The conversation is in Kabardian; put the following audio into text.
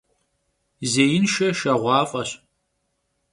Zêinşşe şşeğuaf'eş.